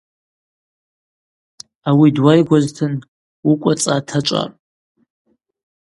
Ауи дуайгвузтын, уыкӏва цӏа тачӏвапӏ.